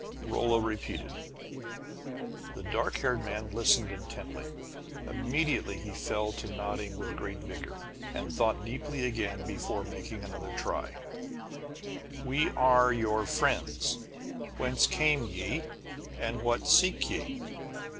Rolla repeated. The dark haired man listened intently. Immediately he fell to nodding with great vigor, and thought deeply again before making another try: "We are your friends. Whence came ye, and what seek ye?"